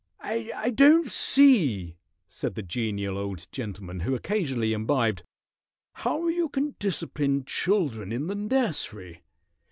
"I don't see," said the genial old gentleman who occasionally imbibed, "how you can discipline children in the nursery.